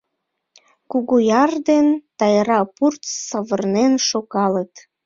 Кугуяр ден Тайра пурт савырнен шогалыт.